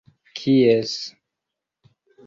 kies